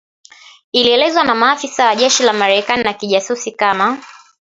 ilielezewa na maafisa wa jeshi la Marekani na kijasusi kama